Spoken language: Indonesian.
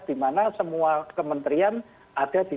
dimana semua kementerian ada di